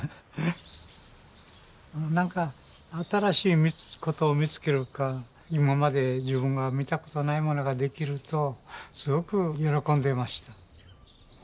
何か新しいことを見つけるか今まで自分が見たことないものが出来るとすごく喜んでいました。